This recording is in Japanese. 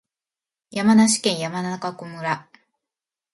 山梨県山中湖村